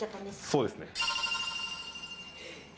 そうですね